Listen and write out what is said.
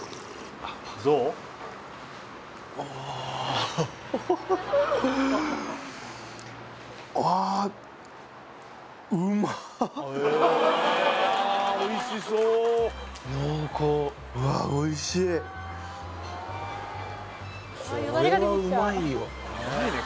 あああ濃厚うわっおいしいこれはうまいよ